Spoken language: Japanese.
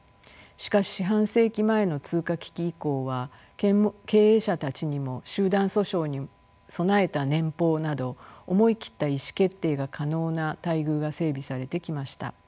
しかし四半世紀前の通貨危機以降は経営者たちにも集団訴訟に備えた年俸など思い切った意思決定が可能な待遇が整備されてきました。